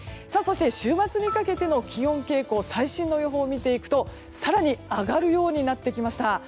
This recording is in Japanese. そして、週末にかけての気温傾向最新の予報を見ていくと、更に上がるようになってきました。